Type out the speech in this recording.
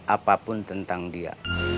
apapun tentang dia